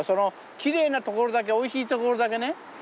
きれいなところだけおいしいところだけね